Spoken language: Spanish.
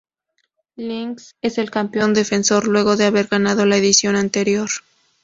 Lynx es el campeón defensor luego de haber ganado la edición anterior.